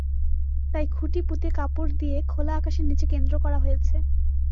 তাই খুঁটি পুঁতে কাপড় দিয়ে খোলা আকাশের নিচে কেন্দ্র করা হয়েছে।